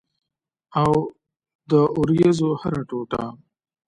او د اوریځو هره ټوټه